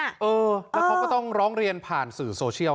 เออแล้วเขาก็ต้องร้องเรียนผ่านสื่อโซเชียล